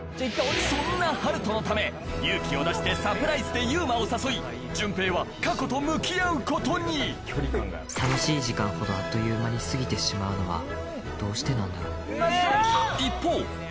そんな春斗のため勇気を出してサプライズで勇馬を誘い潤平は過去と向き合うことに楽しい時間ほどあっという間に過ぎてしまうのはどうしてなんだろう？